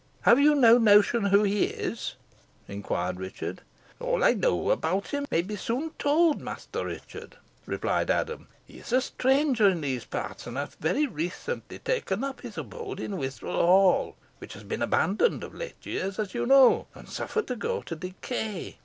"Have you no notion who he is?" inquired Richard. "All I know about him may be soon told, Master Richard," replied Adam. "He is a stranger in these parts, and hath very recently taken up his abode in Wiswall Hall, which has been abandoned of late years, as you know, and suffered to go to decay.